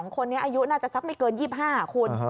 คนนี้อายุน่าจะสักไม่เกิน๒๕คุณ